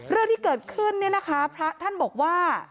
เรื่องที่เกิดขึ้นเนี่ยนะคะพระท่านบอกว่า